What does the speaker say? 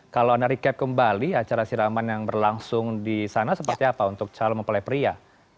kalau anda recap kembali acara siraman yang berlangsung di sana seperti apa untuk calon mempelai pria